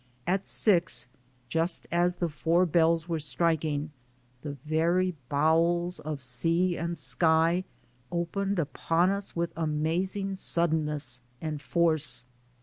At six, just as the four bells were striking, the very bowels of sea and sky opened upon us with amazing suddenness and force.